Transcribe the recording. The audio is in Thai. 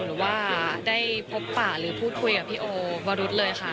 หรือว่าได้พบป่าหรือพูดคุยกับพี่โอวรุษเลยค่ะ